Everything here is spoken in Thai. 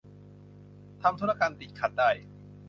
ทำธุรกรรมติดขัดได้